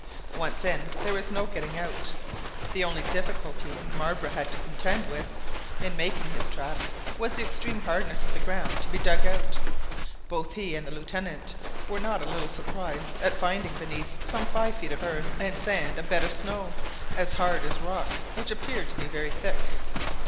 Once in, there was no getting out. The only difficulty Marbre had to contend with in making his trap, was the extreme hardness of the ground to be dug out, but both he and the Lieutenant were not a little surprised at finding beneath some five feet of earth and sand a bed of snow, as hard as a rock, which appeared to be very thick.